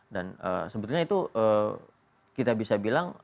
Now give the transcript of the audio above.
dan sebetulnya itu kita bisa bilang